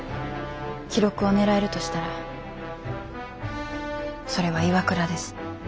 記録を狙えるとしたらそれは岩倉です。